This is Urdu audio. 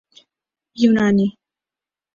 یونانی